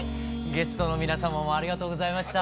ゲストの皆さまもありがとうございました。